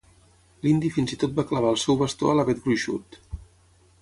L'indi fins i tot va clavar el seu bastó a l'avet gruixut.